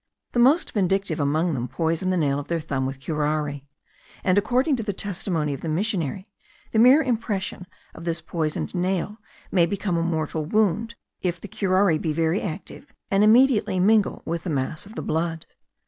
The most vindictive among them poison the nail of their thumb with curare; and, according to the testimony of the missionary, the mere impression of this poisoned nail may become a mortal wound if the curare be very active and immediately mingle with the mass of the blood.